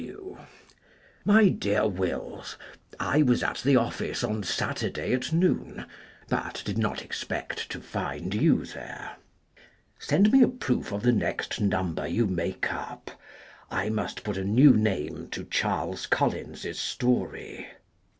W. My Dear Wills :— I was at the office on Saturday at Noon, but did not expect to find you there. Send me a Proof of the next No. you make up. I must put a new name to Charles Collins' s story.